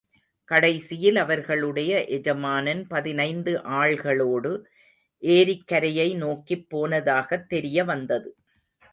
கடைசியில், அவர்களுடைய எஜமானன் பதினைந்து ஆள்களோடு ஏரிக்கரையை நோக்கிப் போனதாகத் தெரியவந்தது.